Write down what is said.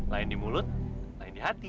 lain di mulut lain di hati